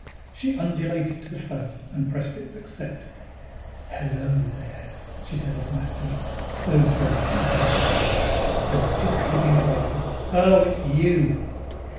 She undulated to the phone and pressed its Accept. "Hello o, there," she said automatically. "So sorry to keep you waiting. I was just taking a bath and Oh. It's you."